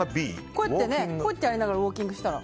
こうやってやりながらウォーキングしたら。